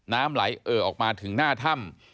น้ำไหลเอ่อออกมาถึงหน้าถ้ำ